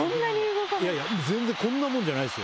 いやいや全然こんなもんじゃないですよ。